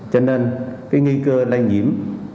cho nên cái nghi cơ lây nhiễm